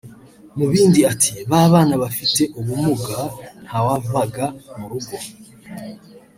Mu bindi ati “Ba bana bafite ubumuga nta wavaga mu rugo